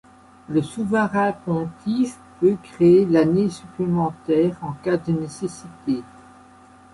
Le souverain pontifie peut créer l'année supplémentaire, en cas de nécessité.